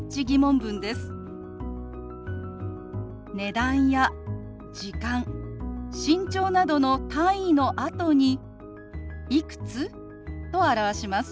値段や時間身長などの単位のあとに「いくつ？」と表します。